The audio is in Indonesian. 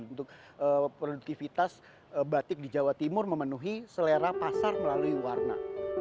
untuk produktivitas batik di jawa timur memenuhi selera pasar melalui warna